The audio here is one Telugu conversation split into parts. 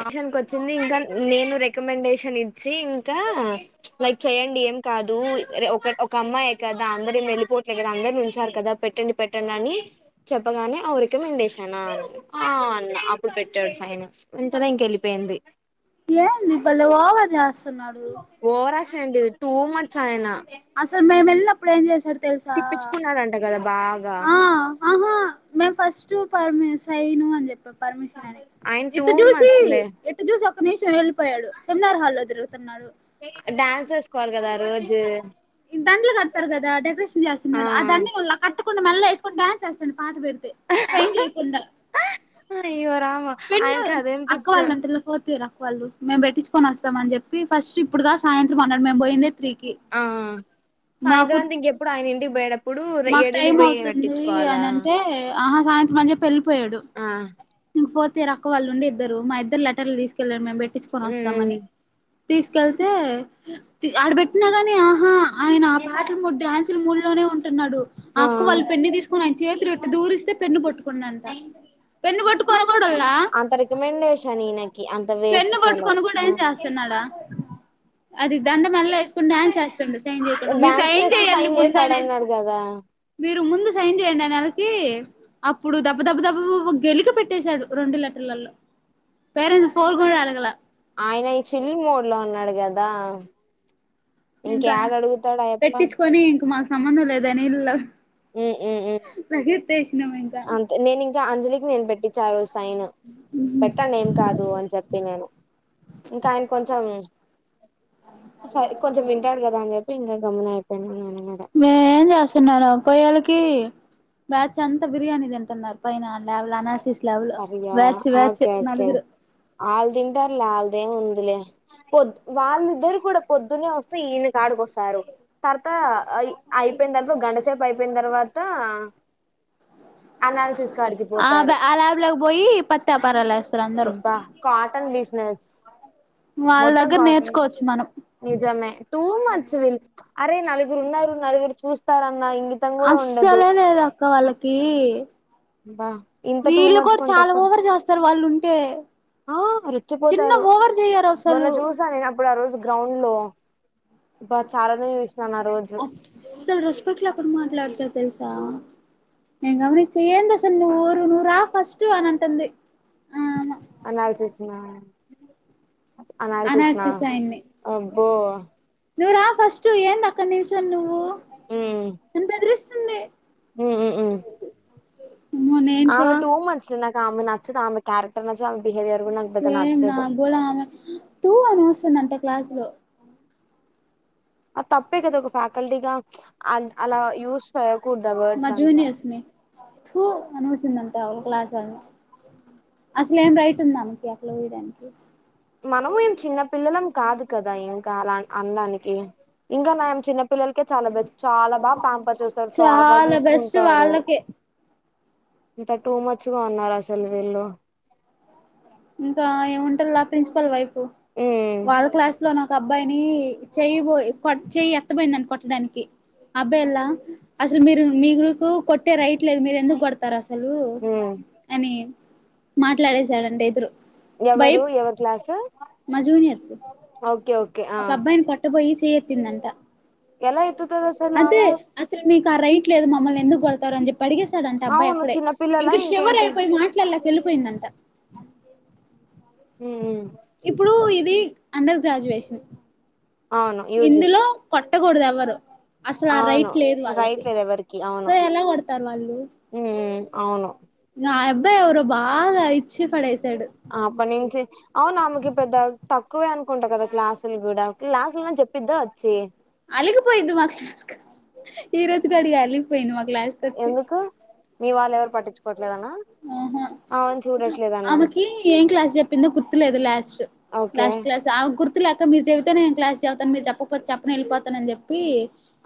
ఆప్షన్ ఉంటది వచ్చింది ఇంకా నేను రికమెండేషన్ ఇచ్చి ఇంకా లైక్ చేయడి ఏం కాదు రే ఒక ఒక అమ్మాయే కదా అందరూ వెళ్ళిపోవట్లేదు కదా అందరి ఉంచారు కదా పెట్టండి పెట్టండి అని చెప్ప గానే అ రికమండేషన్ అ అన్న అప్పుడు పెట్టాడు సైన్ ఇంతల ఇంక వెళ్ళిపోయింది ఏంది భలే ఓవర్ చేస్ ఓవరాక్షన్ ఏం లేదు టూ మచ్ అయినా ప్పుడు ఏం చేశా తిప్పిచ్చుకున్నాడంట కదా బాగా ఆ ఆహా మేం ఫస్ట్ పర్మిషన్ సైన్ పర్మిషన్ అని ఆయన టూ ఇటు చూసి మచ్ లే ఇటు చూసి ఒక్క నిమిషం వెళ్ళిపోయాడు సెమినార్ హాల్లో తిరుగుతున్నాడు డ్యాన్స్ వేసుకోవాలి కదా రోజు ఈ దండలు కడతారు కదా డెకరేషన్ చేస్తున్నాడు ఆ దండలా కట్టుకుని మళ్ళ వేసుకొని డాన్స్ వేస్తాడు పాట పెట్టి సైన్ చేయకుండా అయ్యో రామా పెన్ను ఆయనకి అదేం అక్క పిచ్చో వాళ్ళ వంటలకు పోతువు రా వాళ్ళు మేము పెట్టిచ్చుకొని వస్తామని చెప్పి ఫస్ట్ ఇప్పుడు గా సాయంత్రం అన్నాడు మేము పోయిందే త్రీకి ఆ సాయంత్రం మాకు తే ఇంకెప్పుడు ఆయన ఇంటికి పోయడం మాకు టైం అవుతుంది అని అంటే ఆహా సాయంత్రం అని చెప్పి వెళ్లిపోయాడు ఆ వేరే అక్క వాళ్లు ఉండి ఇద్దరు మా ఇద్దరి లెటర్లు తీసుకెళ్లారు మేము పెట్టిచ్చుకోని ఉమ్ వస్తామని తీసుకెళ్తే ఆడ పెట్టినా గాని ఆహా ఆయన ఆ పాటల మూడ్ డాన్సులా మూడ్ లోనే ఉ న్నాడు ఆ అక్క వాళ్ళు పెన్ను తీసుకొని దూరిస్తే పెన్ను పట్టుకుండంట పెన్ను పట్టుకోవడం కూడల్లా అంత రికమెండేషన్ ఈయనకి అంత వేస్ట్ పెన్ను ఫెలో ఇప్పుడు కూడా చేస్తున్నాడా అది దండ మెడ లో ఎసుకుని డాన్స్ ఏస్తుండు సైన్ మీరు డాన్స్ సైన్ చేస్తూ చెయ్యడి ముందనెసి చేసాడన్నాడు కదా మీరు ముందు సైన్ చేయండి అనే సరికి అప్పుడు దబ్బ దబ్బ దబ్బబ గెలుకి పెట్టేశాడు రెండు లెటర్లలో పేరెంట్స్ ఫోర్ కూడా అడగల ఆయన ఇచ్చిన మూడ్ లో ఉన్నాడు కదా ఇంకా ఇంకేడ అడుగుతాడు ఆయప్ప పెట్టిచ్చుకొని ఉమ్ ఇంక మాకు సంబంధం లే దాని ఇల్లు ఉమ్ ఉమ్ లగేట్టేష్ అంతే నేను ఇంకా అంజలికి నేను పెట్టిచ్చా ఆ రోజు సైన్ పెట్టండి ఏం కాదు అని చెప్పి నేను ఇంకా ఆయన కొంచెం సరే [inaudible] కొంచెం వింటాడు కదా అని చెప్పి ఇంకా గమ్మున అయిపోయినా నేను కూడా మేం ఏం చేస్తున్నారా పోయళ్ళకి బ్యాచ్ అంతా బిర్యానీ తింటున్నారు పైన ల్యాబ్ లో అనాల్సిస్ అసలా ఓకే ఓకే ఆల్దంటారులే ఆల్దం ఏం ఉందిలే పొద్ వాళ్ళిద్దరు కూడా పొద్దునే వస్తే ఈయన కాడికోస్తారు తర్త అయిపోయిన తర్వాత గంటసేపు అయిపోయిన తర్వాత అనాల్సిస్ కాడికి ఆ పోతారు ఆ ల్యాబ్ లోకి పోయి పత్తేపారాలు వేస్తారు అందరూ బా కాటన్ బిజినెస్ వాళ్ళ మొత్తం దగ్గర కాటన్ నేర్చుకోవచ్చు మనం నిజమే టూ మచ్ విల్ అరే నలుగురు ఉన్నారు నలుగురు చూస్తారన్న ఇంగితం కూడా ఉండదు అస్సలే లేదు అక్క వాళ్ళకి ఆ ఇంత టూ వీళ్ళు మచ్ కూడా చాలా ఓవర్ చేస్తారు వాళ్ళు ఉంటే ఆ చిన్న రుచ్చిపోతారు ఓవర్ చెయ్యరు మొన్న అసలు చూసా నేను అప్పుడు ఆ రోజు గ్రౌండ్ లో బా సార్ చాలానే చూసినాను ఆ రోజు అస్సలు రెస్పెట్ లేకుండా మాట్లాడతు తెలుసా ఏ గమనించ ఏందసలు నూరు ర ఫస్ట్ అనంటంది అనాలసిస్ లన అనాలసిస్ లా అనాలిసిస్ అబ్బో నువరా ఫస్ట్ ఏన్ అక్క నిల్చొని నువ్వు ఉమ్ నను బెదిరిస్తుంది ఉమ్ ఉమ్ ఉమ్ అమ్మో నేను ఆమె టూ షాక్ మచ్ ఆమె నచ్చదు ఆమె క్యారెక్ సేమ్ నా కూడా ఆమె తూ అని వస్తుందంట క్లాసు లో అ తప్పే కదా ఒక ఫ్యాకల్టీగా ఆ అలా యూస్ చేయకూడదా వర్డ్స్ అంతా తూ అనుసిందంతా అళ క్లాస్ అసలే ఏం రైట్ ఉందా అమెకి అట్ల ఊయడానికి మనము ఏం చిన్న పిల్లలం కాదు కదా ఏం కాాల ఆన్డానికి ఇంకా నయం చిన్న పిల్లలకే చాలా బెస్ చాలా బా పంపర్ చేస్తారు చాలా బాగా చూసుకుంటారు [inaudible] ఇంత టూ మచ్ గ ఉన్నారు అసలు వీళ్ళు ఇంకా ఏముంటాల్ల ప్రిన్సిపల్ వైఫు ఉమ్ వాళ్ళ క్లాస్ లో నాకు ఒక అబ్బాయిని చెయిబొయి కొ చెయి ఎత్తబయిందంట కొట్టడానికి అబ్బేలా అసలు మీరు మీకు కొట్టే రైట్ లేదు మీరు ఎందుకు కొడతారు అసలు అసలు ఉమ్ అని మాట్లాడేసాడు ఎవరు ఎవరు క్లాసు మా జూనియర్స్ ఓకే ఓకే ఆ ఒక అబ్బాయిని కొట్టబ యి చేయెత్తిందంట ఎలా ఎత్తుతది అసలు అదే ఆమె అసలు మీకు ఆ రైట్ లేదు మమ్మల్ని ఎందుకు కొడతారు అని చెప్ పడిగేశాడంట అబ్బాయి అవును అక్కడే చిన్న పిల్లలా ఇంకా శవర్ ఇంకేంటి అయిపోయి మాట్లాడలేక వెళ్ళిపోయిందంట ఉమ్ ఇప్పుడు ఇది అండర్ గ్రాడ్యువేషన్ అవును యూజీ ఇందులో కొట్టకూడదు ఎవ్వరు అసలు ఆ అవును రైట్ లేదు వాళ్ళకి రాయట్లేదు సో ఎలా కొడతారు వాళ్ళు ఊ అవును ఆ అబ్బాయివరు బాగా ఇచ్చి పడేశాడు అప్పటి నుంచి అవునా ఆమెకి పెద్ద తక్కువే అనుకుంటా కదా క్లాసులు కూడా క్లాసులు చెప్పద్దా వచ్చి అలిగిపోయింది మా క్లాస్క్ ఈ రోజు గడి అలిగిపోయింది మాకు ఎందుకు మీ వాళ్ళ ఎవరు పట్టించుకోవట్లేదనా ఆహా చూడట్లేదనా ఆమెకి ఏం క్లాస్ చెప్పిందో గుర్తులేదు లాస్ట్ ఓకే లాస్ట్ క్లాస్ ఆ గుర్తు లేక మీరు చెబితే నేను క్లాస్ చెబతాను మీరు చెప్పకపోతే చెప్పని వెళ్ళిపోతానని చెప్పి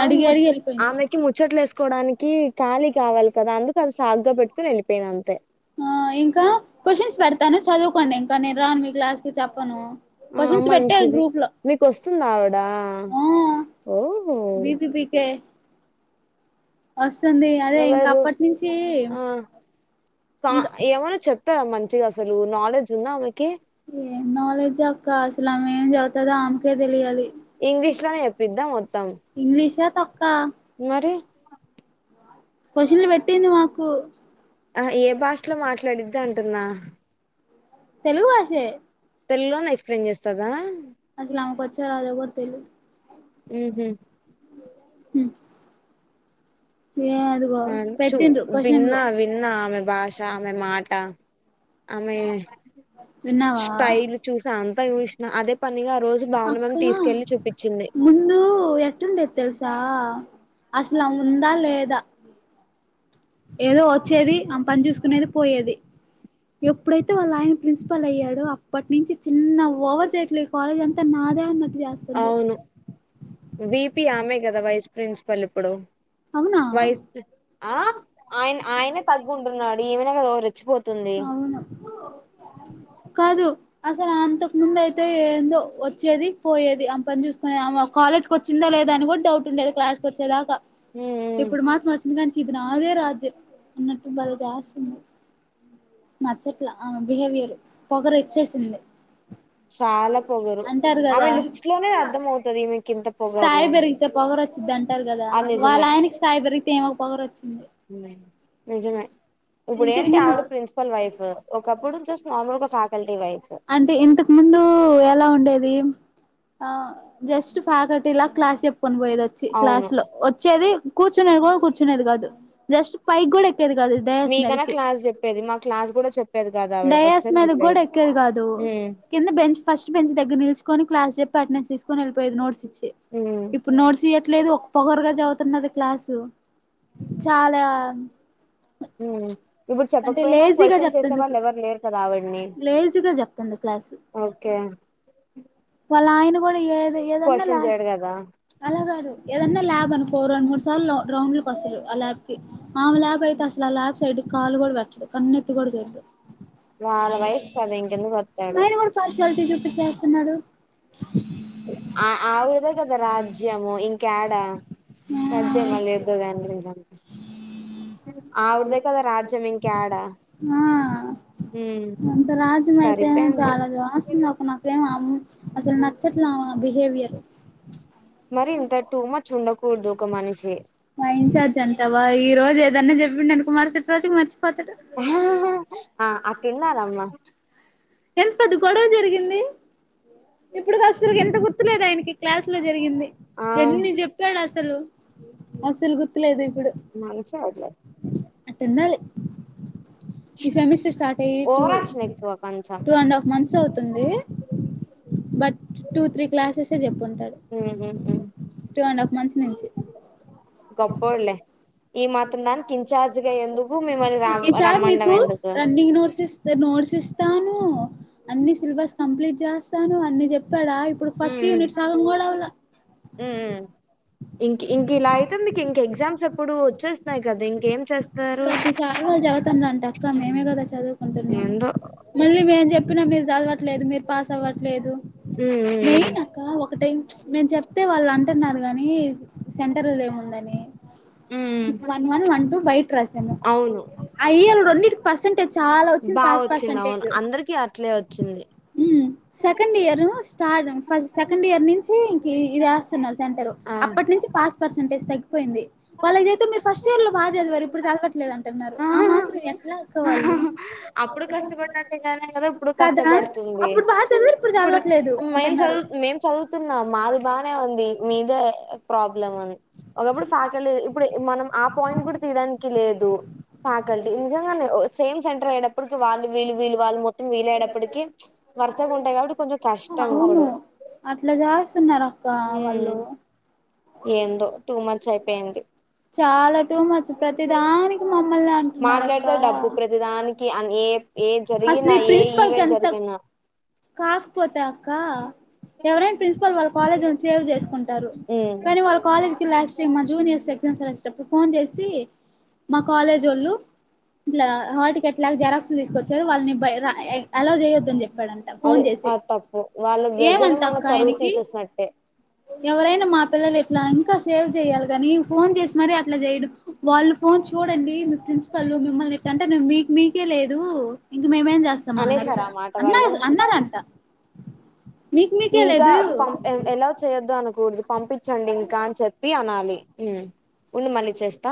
ఆమె అడిగి ము అడిగి వెళ్ళిపోయింది ఆమెకి ముచ్చట్లు వేసుకోవడానికి ఖాలి కావాలి కదా అందుకు అది సాగ్గా పెట్టుకుని వెళ్పొ ప్పేద అంతే ఇంకా క్వశ్చన్స్ పెడతాను చదువుకోండి ఇంకా నేను రాను మీ క్లాస్ కి చెప్పను ఆ క్వశ్చన్స్ పెట్టారు మంచిది గ్రూప్ లో మీకుస్తుంది ఆవిడా ఓ బీబిపీకే వస్తుంది అదే ఇంకా ఎవరు అప్పటి నుంచి ఆ కా ఇంకా ఏమైన్నా చెప్తా మంచిగా అసలు నాలేజ్ ఉందా ఆమెకి ఏం నాలెడ్జ్ అక్క అసలు ఆమె ఏం చదువుతందో ఆమెకే తెలియాలి ఇంగ్లీష్ లోనే చెప్పిద్దా మొత్తం ఇంగ్లీష్ తొక్క మరి క్వ్చన్లు పెట్టింది మాకు ఆ ఏ భాషలో మాట్లాడిది అంటుందా తెలుగు భాష తెలుగులోనే ఎక్స్ప్లెయిన్ చేస్తదా అసలు ఆమెకు వచ్చో రాదో కూడా తెలిదు ఉహు ఉ అన్ చూ పెట్టిండ్రు క్వశ్చన్లు విన్నా విన్నా ఆమె భాష ఆమె మాట ఆమె విన్నావా స్టైల్ చూసి అంతా చూసిన అదే పనిగా ఆ రోజు బాను మ్యామ్ అక్క తీసుకెళ్ళి చూపించింది ముందు ఎట్లుండేది తెలుసా అస్సలు ఆమె ఉందా లేదా ఏదో వచ్చేది ఆమె పని చూసుకునేది పోయేది ఎప్పుడైతే వాళ్ళయన ప్రిన్సిపల్ అయ్యాడో అప్పటి నుంచి చిన్న ఓవ చేయట్లే కాలేజ్ అంతా నాదే అన్నది అవును విపి ఆమె కదా వైస్ ప్రిన్సిపల్ ఇప్పుడు అవునా వైస్ ప్రి ఆ ఆయన ఆయనే తగ్గుంటున్నాడు ఈమనే కదా ఓ రెచ్చిపోతుంది [unintelligible] కాదు అసలు అంతకు ముందు అయితే ఏందో వచ్చేది పోయేది ఆమె పని చూసుకునేది ఆమే ఒక కాలేజ్ కు వచ్చిందా లేదా అని కూడా డౌట్ ఉండేదు క్లాస్ కి వచ్చేదాకా ఉమ్ ఉమ్ ఇప్పుడు మార్స్ ఇది నాదే రాజ్యం అన్నట్టు బలే చేస్తుంది నచ్చట్లా ఆ బిహేవియర్ పొగరు వచ్చేసింది చాలా పొగరు అంటారు కదా ఆమె లుక్స్ లోనే అర్థం అవుతది ఈమెకి ఇంత పొగరు స్థాయి అని పెరిగితే పొగరు వచ్ అంటారు కదా అది వాళ్ళ నిజమే ఆయనకి స్థాయి పెరిగితే ఈమెకు పొగరు వచ్చింది నిజమే ఇంతకు ఇప్పుడేంటి ఆవిడ ముందు ప్రిన్సిపల్ వైఫ్ ఒకప్పుడు జస్ట్ మామూలు గా ఫ్యాకల్టీ వైఫ్ అంటే ఇంతకు ముందు ఎలా ఉండేది ఆ జస్ట్ ఫ్యాకల్టీ లా క్లాస్ చెప్ కొని పోయేది వచ్చి క్లాస్ అవును లో వచ్చేది కూర్చునేది కూడా కూర్చునేది కాదు జస్ట్ పైకి కూడా ఎక్కేది కాదు డయాస్ మీకన్నా మీదకి క్లాస్ చెప్పేది మా క్లాస్ కూడా చెప్పేది కాదు ఆవిడ డయాస్ వచ్చేది మీద కూడా చెప్పేది ఎక్కేది కాదు పు ఉమ్. కింద బెంచ్ ఫస్ట్ బెంచ్ దగ్గర నిల్చుకొని క్లాస్ చెప్పి అటెండెన్స్ తీసుకొని వెళ్లిపోయేది నోట్స్ ఇచ్చి హ్మ్ ఇప్పుడు నోట్స్ ఇయ ట్లేదు ఒ పొగరుగా చదువుతున్నది క్లాసు చాలా ఉ ఇప్పుడు అంటే చెప్పకపోయినా లేజీగా క్వశ్చను చేసే చెప్తుంది వాళ్ళు ఎవరు లేరు కదా అవ్వడి లేజీగా చెప్తుంది క్లాసు ఓకే వాళ్ళ ఆయన కూడా ఏ ఏదన్నా లా క్వశ్చన్ చేయడు కదా అలా కాదు ఏదన్నా లాబ్ అనుకో ఒక రెండు మూడు సార్లు రౌండ్లకి వస్తారు ఆ ల్యాబ్కి ఆమే ల్యాబ్ అయితే అసలు ఆ ల్యాబ్ సైడ్కి కాలు కూడా పెట్టడు కన్నెత్తు కూడా చూడడు వాళ్ళ ఆయన వైఫ్ కదా ఇంకెందుకు వత్తాడు ఆయన కూడా పార్షియాలిటీ చూపించేస్తున్నాడు ఆ ఆవిడదే కదా రాజ్యము ఇంకా ఏడా [unintelligible] ఆవిడదే కదా రాజ్యము ఇంకా యాడా ఎంత రాజ్యం అయితే చాలా చేస్తుంది ఒక నాకేమో అమ్ అసలు నచ్చట్లా ఆమె బిహేవియర్ మరి ఇంత టూ మచ్ ఉండకూడదు ఒక మనిషి చార్జ్ అంటావా ఈ రోజు ఏదన్న చెప్పిండు అనుకో మరుసటి రోజుకి మర్చి పోతడు ఆ అట్లుండాలమ్మా ఎంత పెద్ద గొడవ జరిగింది ఇప్పుడు కసరి ఎంత గుర్తులేదు ఆయనకి క్లాస్ లో జరిగింది ఆ ఎన్ని చెప్తాడు అస్సలు అస్సలు గుర్తులేదు ఇప్ మంచోడు లే అట్టున్నది ఈ సెమిస్టర్ స్టార్ట్ అయ్యి టు ఓవరాక్షన్ ఎక్కువ కొంచెం టూ అండ్ హాఫ్ మంత్స్ అవుతుంది బట్ టూ త్రీ క్లాసెస్ కుంటాడు హ్మ్ హు టూ అండ్ హాఫ్ మంత్స్ నుంచి గొప్పోడు లే మిమ్మల్ని ర ఈ సార్ రమ్మండం మీకు ఎందుకు రన్నింగ్ నోట్స్ ఇస్తా నోట్స్ ఇస్తాను అన్ని సెలబస్ కంప్లీట్ చేస్తాను అన్ని చెప్ చెప్పాడా ఇప్పుడు ఫస్ట్ యూనిట్ సగం కూడా అవలా ఉమ్ ఇంక ఇంక ఇలా అయితే మీకు ఇంక ఎగ్జామ్స్ ఎప్పుడు వచ్చేస్తున్నాయి కదా ఇంకేం చేస్తారు చఉతంట అక్క మేమే కదా చదువుకుంటున్నాము ఏందో మళ్ళీ ఎం చెప్పినా మీరు చదవట్లేదు మీరు పాస్ అవ్వట్లేదు ఉమ్ ఉమ్ మెయిన్ అక్క ఒక టైం మేము చెప్తే వాళ్ళ అం టున్నారు గాని సెంటర్ దు ఏముందని ఉమ్ one one one two by రాసాము అవును అయ్యల్ రొంటికి పర్సంటేజ్ చాలా వచ్చింది బా పాస్ వచ్చింది పర్సంటేజ్ అవును అందరికి అట్లే వచ్చింది ఉమ్ సెకండ్ ఇయర్ స్టార్ట్ ఫస్ సెకండ్ ఇయర్ నుంచి ఇంక్ ఇదిస్తున్నారు సెంటర్ ఆ అప్పటి నుంచి పాస్ పర్సెంటేజ్ తగ్గిపోయింది వాళ్ళు ఏదైతే మీరు ఫస్ట్ ఇయర్ లో బగా చదివారు ఇప్పుడు చదవట్లేదు అంటున్నారు ఆ మాత్రం ఎట్లా అక్కవాళ్లు అప్పుడు కష్టపడినంతేగానే కదా ఇప్పుడు కదా కష్టపడుతుంది అప్పుడు బాగా చదివారు ఇప్పుడు ఇప్పుడుర్ చదవట్లేదు మేం అంటున్నారు చదువు మేం చదువుతున్నాం మాది బానే ఉంది మీదే ప్రాబ్లం అని ఒకప్పుడు ఫ్యాకల్టీ ఇప్పుడు మనం ఆ పాయింట్ కూడా తీయడానికి లేదు ఫ్యాకల్టీ నిజంగానే సెమ్ సెంట్ర అయ్యేటప్పటికి వరుసగా ఉంటాయి కాబట్టి కొంచెం కష్టం ఇప్పుడు అవును అట్లా చేస్తన్నారు అక్క ఉమ్ వాళ్ళు ఏందో టూ మంత్స్ అయిపోయింది చాలా టూ మచ్చు ప్రతిదానికి మమ్మల్నే అంటున్నారు అక్క మాట్లాడితే డబ్బు ప్రతిదానికి ఏ ఏ అసలు జరిగినా ఈ ఏ ప్రిన్సిపల్ కి ఈవెంట్ ఎంత జరిగినా కాకపోతే అక్క ఎవరైనా ప్రిన్సిపాల్ వాళ్ళ కాలేజ్ వోల్ సేవ్ చేసుకు కానీ వాళ్లు కాలేజ్ కి లాస్ట్ టైమ్ మా జూనియర్స్ ఎగ్జామ్స్ రాసేటప్పుడు ఫోన్ చేసి మా కాలేజ్ ఒళ్ళు ఇట్లా హాటికెట్లాగా జర తీసుకొచ్చారు వాళ్ని బై రా అలోవ్ చేయొద్దని చెప్పాడంటా ఫోన్ అది చేసి అది తప్పు వాళ్ళ దగ్గర ఏమంత మన అక్క పరువు ఆయనకి తీసేసినట్టే ఎవరైనా మా పిల్లలు ఎట్లా ఇంకా సేవ్ చేయాలి కానీ ఫోన్ చేసి మరి అట్లా చేయడం వా ఫోన్ చూడండి మీ ప్రిసిపాల్ మిమ్మల్ని ఎంటే మీకు మీ ఇకే లేదు ఇంక మేమేం చేస్తాం అన్నరు అనేసారు ఆ మాట అన్నారు వాళ్ళు అన్నారంట మీకు మీకే ఇంకా లేదు పం ఎలావ్ చేయొదు అనకూడదు పంపించండి ఇంకా అని చెప్పి అనాలి ఉమ్ ఉండు మళ్ళీ చేస్తా